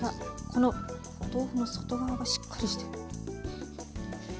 このお豆腐も外側がしっかりしてる。